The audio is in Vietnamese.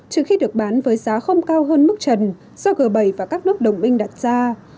trừ khi được bán với giá không cao hơn mức trần do g bảy và các nước đồng minh đặt ra